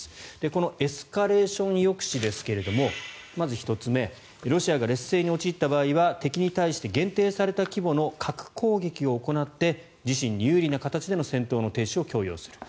このエスカレーション抑止ですがまず１つ目ロシアが劣勢に陥った場合は敵に対して限定された規模の核攻撃を行って自身に有利な形での戦闘の停止を強要する。